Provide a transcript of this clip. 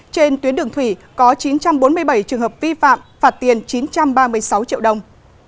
trên tuyến đường thủy có chín trăm bốn mươi bảy trường hợp vi phạm phạt tiền chín trăm ba mươi sáu triệu đồng